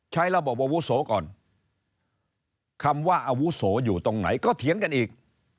ใช้ระบบอาวุโสก่อนคำว่าอาวุโสอยู่ตรงไหนก็เถียงกันอีก